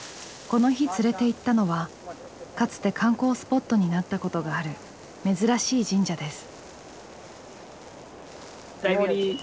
この日連れていったのはかつて観光スポットになったことがある珍しい神社です。